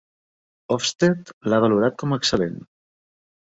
Ofsted l'ha valorat com "Excel·lent".